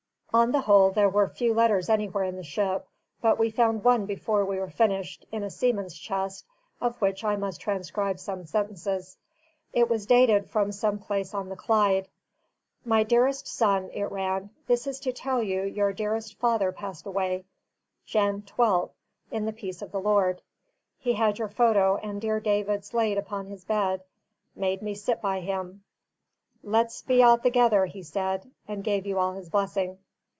On the whole, there were few letters anywhere in the ship; but we found one before we were finished, in a seaman's chest, of which I must transcribe some sentences. It was dated from some place on the Clyde. "My dearist son," it ran, "this is to tell you your dearist father passed away, Jan twelft, in the peace of the Lord. He had your photo and dear David's lade upon his bed, made me sit by him. Let's be a' thegither, he said, and gave you all his blessing.